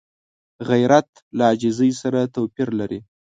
غیرت له عاجزۍ سره توپیر لري